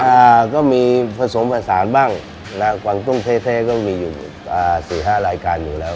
อ่าก็มีผสมผสานบ้างนะฮะกวางตุ้งแท้แท้ก็มีอยู่อ่าสี่ห้ารายการอยู่แล้ว